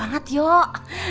ganteng banget yuk